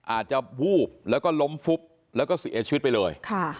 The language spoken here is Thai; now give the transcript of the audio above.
อาจจะวูบแล้วก็ล้มฟุบแล้วก็เสียชีวิตไปเลย